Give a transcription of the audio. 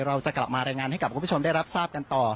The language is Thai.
เราจะกลับมารายงานให้กับคุณผู้ชมได้รับทราบกันต่อ